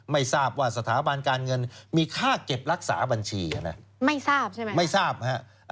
ไม่ทราบว่าสถาบันการเงินมีค่าเก็บรักษาบัญชีนะไม่ทราบใช่ไหมไม่ทราบฮะ